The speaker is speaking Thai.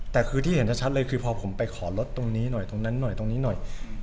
แต่คือที่เห็นชัดเลยคือพอผมไปขอรถตรงนี้หน่อยตรงนั้นหน่อยตรงนี้หน่อย